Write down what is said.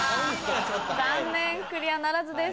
残念クリアならずです。